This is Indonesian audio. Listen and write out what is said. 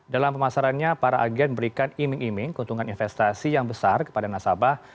dalam pemasarannya para agen berikan iming iming keuntungan investasi yang besar kepada nasabah